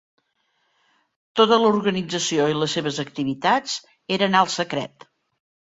Tota l'organització i les seves activitats eren alt secret.